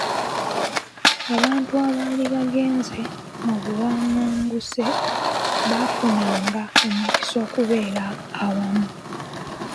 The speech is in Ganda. Abantu abaali bagenze mu buwanganguse bafunanga omukisa okubeera awamu .